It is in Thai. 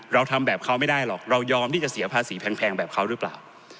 เราทำแบบเขาไม่ได้หรอกเรายอมที่จะเสียภาษีแพงแบบเขาหรือเปล่า